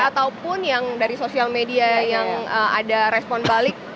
ataupun yang dari sosial media yang ada respon balik